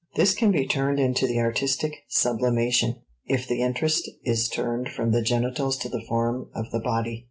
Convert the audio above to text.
This can be turned into the artistic ("sublimation") if the interest is turned from the genitals to the form of the body.